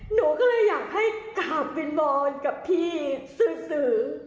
หนูก็เลยอยากให้กราบวินบอนกับพี่ซื้อ